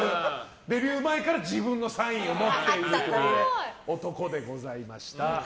デビュー前から自分のサインを持っているという男でございました。